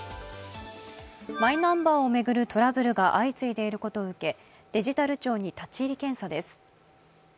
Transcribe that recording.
マイナンバーを巡るトラブルが相次いでいることを受けデジタル庁に立入検査です。